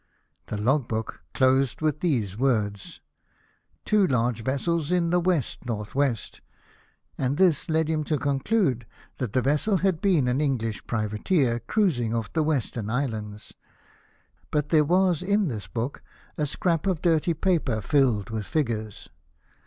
The log book closed with these words :" Two large vessels in the W.N. W.;" and this led him to conclude that PURSUIT OF THE ENEMY. 293 the vessel had been an Enghsh privateer, cruising off the Western Islands. But there was in this book a scrap of dirty paper, filled with figures.